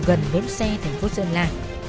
gần bến xe tp sơn la